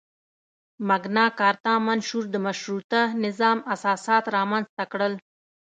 مګناکارتا منشور د مشروطه نظام اساسات رامنځته کړل.